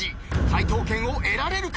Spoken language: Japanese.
解答権を得られるか？